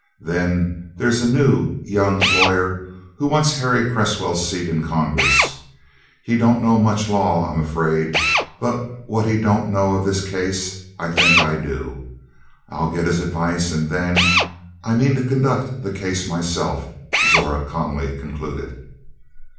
Then there's a new young lawyer who wants Harry Cresswell's seat in Congress; he don't know much law, I'm afraid; but what he don't know of this case I think I do. I'll get his advice and then I mean to conduct the case myself," Zora calmly concluded.